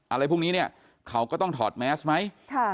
อะไรพรุ่งนี้เขาก็ต้องถอดแมสไหม